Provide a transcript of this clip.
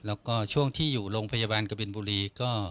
แล้วก็ช่วงที่อยู่โรงพยาบาลกบินบุรีก็